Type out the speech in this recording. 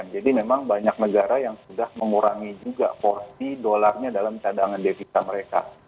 jadi memang banyak negara yang sudah mengurangi juga porsi dollarnya dalam cadangan devisa mereka